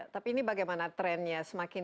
tapi ini bagaimana trennya semakin